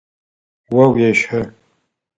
О уещэ.